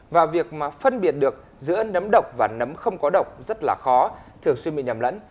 và việc mà phân biệt được giữa nấm độc và nấm không có độc rất là khó thường xuyên bị nhầm lẫn